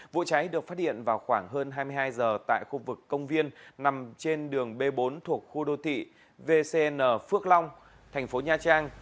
vụ cháy được phát hiện vào khoảng hơn hai mươi hai giờ tại khu vực công viên nằm trên đường b bốn thuộc khu đô thị vcn phước long thành phố nha trang